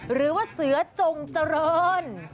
หรือว่าเสือจงเจริญ